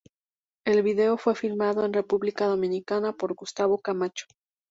El video fue filmado en República Dominicana por Gustavo Camacho.